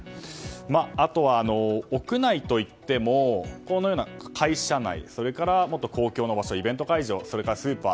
あとは屋内といってもこのような会社内、公共の場所イベント会場やスーパー